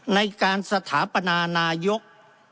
ในการสถาปนานายก